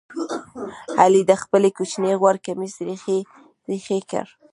علي د خپلې کوچنۍ خور کمیس ریخې ریخې کړ.